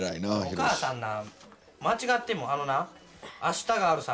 お母さんな間違ってもあのな「明日があるさ」